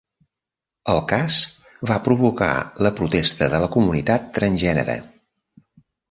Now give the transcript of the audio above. El cas va provocar la protesta de la comunitat transgènere.